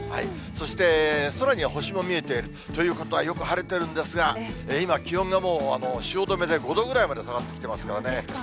そして、空には星も見えているということは、よく晴れてるんですが、今、気温がもう汐留で５度ぐらいまで下がってきてますからね。